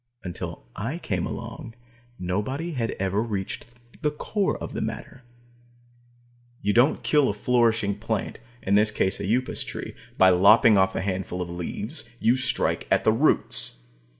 Until I came along, nobody had ever reached the core of the matter. You don't kill a flourishing plant in this case an Upas Tree by lopping off a handful of leaves. You strike at the roots.